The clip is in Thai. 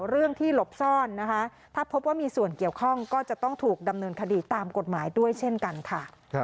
เรื่องที่หลบซ่อนนะคะถ้าพบว่ามีส่วนเกี่ยวข้องก็จะต้องถูกดำเนินคดีตามกฎหมายด้วยเช่นกันค่ะ